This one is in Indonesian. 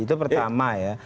itu pertama ya